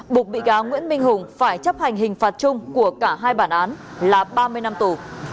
buộc bị cáo nguyễn minh hùng phải chấp hành hình phạt chung của cả hai bản án là ba mươi năm tù